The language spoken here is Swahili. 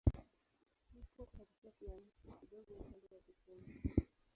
Upo katikati ya nchi, kidogo upande wa kusini.